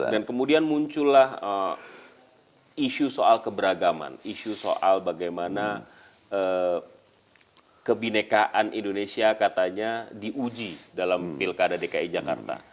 dan kemudian muncullah isu soal keberagaman isu soal bagaimana kebinekaan indonesia katanya diuji dalam pilkada dki jakarta